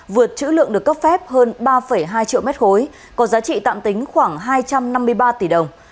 vượt chữ lượng được cấp phép hơn ba hai triệu mét khối có giá trị tạm tính khoảng hai trăm năm mươi ba tỷ đồng